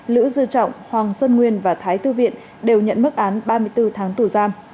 lữ dư trọng hoàng sơn nguyên và thái tư viện đều nhận mức án ba mươi bốn tháng tù giam